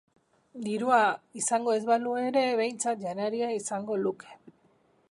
Dirua izango ez balu ere behintzat janaria izango luke.